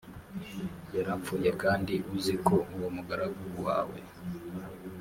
yarapfuye kandi uzi ko uwo mugaragu wawe